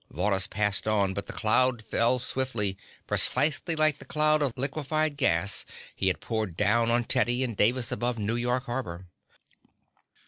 Varrhus passed on, but the cloud fell swiftly, precisely like the cloud of liquified gas he had poured down on Teddy and Davis above New York harbor.